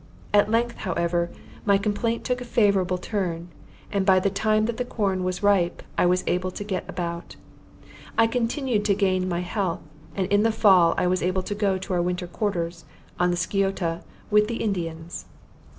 At length, however, my complaint took a favorable turn, and by the time that the corn was ripe I was able to get about. I continued to gain my health, and in the fall was able to go to our winter quarters, on the Sciota, with the Indians.